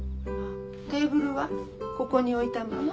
テーブルはここに置いたまま？